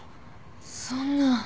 そんな。